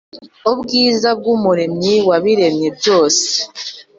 Ubwiza bw’umuremyi wabiremye byose